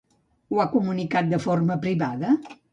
Ho ha comunicat de forma privada?